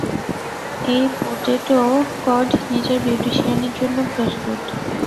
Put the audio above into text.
এই পোটেটো কড নিজের বিউটিশিয়ানের জন্য প্রস্তুত।